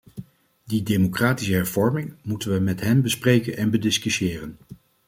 Die democratische hervorming moeten we met hen bespreken en bediscussiëren.